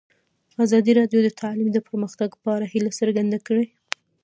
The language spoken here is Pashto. ازادي راډیو د تعلیم د پرمختګ په اړه هیله څرګنده کړې.